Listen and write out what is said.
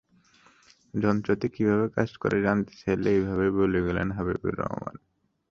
যন্ত্রটি কীভাবে কাজ করে, জানতে চাইলে এভাবেই বলে গেলেন হাবিবুর রহমান।